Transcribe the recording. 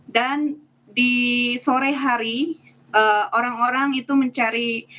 di sore hari orang orang itu mencari